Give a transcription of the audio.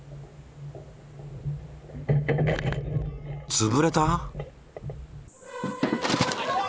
つぶれた！